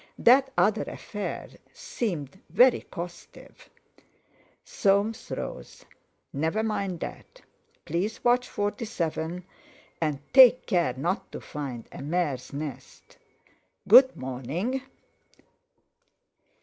That other affair seemed very costive." Soames rose. "Never mind that. Please watch 47, and take care not to find a mare's nest. Good morning!"